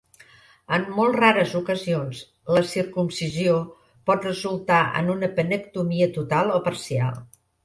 En molt rares ocasions, la circumcisió pot resultar en una penectomia total o parcial.